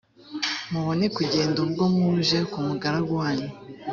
mubone kugenda ubwo muje ku mugaragu wanyu